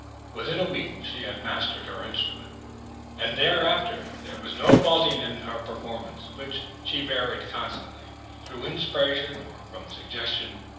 Within a week she had mastered her instrument; and thereafter there was no faltering in her performances, which she varied constantly, through inspiration or from suggestion....